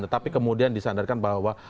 tetapi kemudian disandarkan bahwa